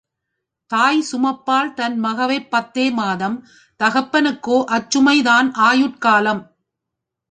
தாய் சுமப்பாள் தன் மகவை பத்தே மாதம் தகப்பனுக்கோ அச்சுமைதான் ஆயுட்காலம்!